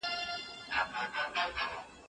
حرص انسان ړندوي.